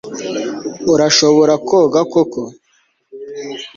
Urashobora koga koko